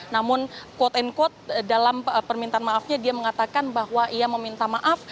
namun quote unquote dalam permintaan maafnya dia mengatakan bahwa ia meminta maaf